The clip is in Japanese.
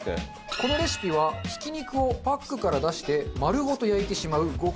このレシピはひき肉をパックから出して丸ごと焼いてしまう豪快レシピ。